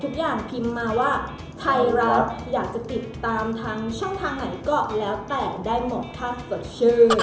ทุกอย่างพิมพ์มาว่าใครรักอยากจะติดตามทางช่องทางไหนก็แล้วแต่ได้หมดภาพสดชื่น